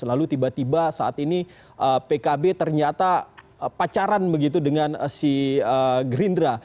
lalu tiba tiba saat ini pkb ternyata pacaran begitu dengan si gerindra